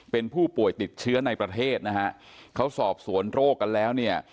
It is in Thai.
เป็นผู้ป่วยติดเชื้อในประเทศนะฮะเขาสอบสวนโรคกันแล้วเนี่ย